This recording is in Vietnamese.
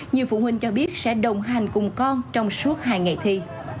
nhiều phụ huynh cho biết sẽ đồng hành cùng con trong suốt hai ngày thi